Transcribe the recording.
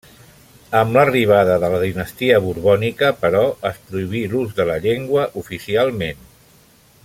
Amb l'arribada de la dinastia borbònica, però, es prohibí l'ús de la llengua oficialment.